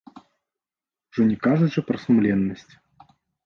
Ужо не кажучы пра сумленнасць.